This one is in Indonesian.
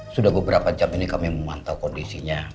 sudah beberapa jam ini kami memantau kondisinya